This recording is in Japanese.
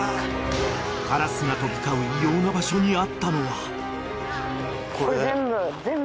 ［カラスが飛び交う異様な場所にあったのは］